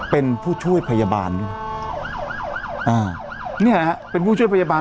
เป็นผู้ช่วยพยาบาลด้วยอ่าเนี่ยนะฮะเป็นผู้ช่วยพยาบาล